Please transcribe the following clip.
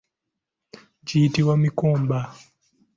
Giyitibwa mikomba.